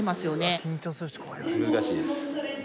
難しいです。